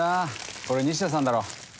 これ西田さんだろ？